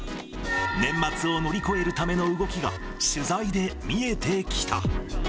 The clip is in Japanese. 年末を乗り越えるための動きが取材で見えてきた。